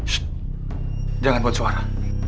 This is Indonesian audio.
shh jangan buat suara